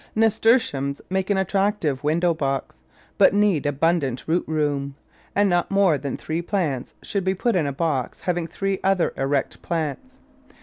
Nasturtiums make an attractive window box, but need abundant root room, and not more than three plants should be put in a box having three other erect plants.